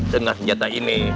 tengah senjata ini